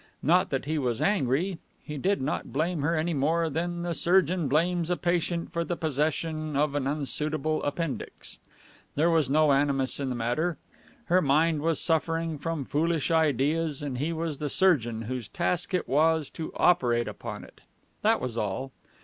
Not that he was angry. He did not blame her any more than the surgeon blames a patient for the possession of an unsuitable appendix. There was no animus in the matter. Her mind was suffering from foolish ideas, and he was the surgeon whose task it was to operate upon it. That was all.